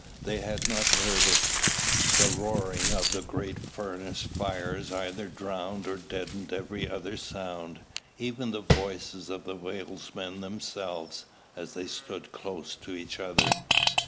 They had not heard it. The roaring of the great furnace fires either drowned or deadened every other sound; even the voices of the whalesmen themselves, as they stood close to each other.